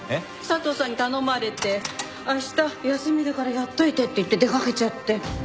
佐藤さんに頼まれて明日休みだからやっておいてって言って出かけちゃって。